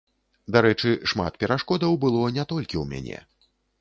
Дарэчы, шмат перашкодаў было не толькі ў мяне.